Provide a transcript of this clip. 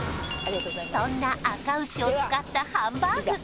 そんなあか牛を使ったハンバーグ